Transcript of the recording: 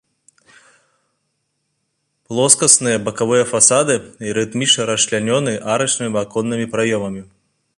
Плоскасныя бакавыя фасады рытмічна расчлянёны арачнымі аконнымі праёмамі.